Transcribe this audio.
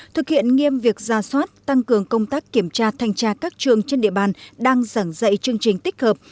thực hiện nghiêm việc ra soát tăng cường công tác kiểm tra thanh tra các trường trên địa bàn đang giảng dạy chương trình tích hợp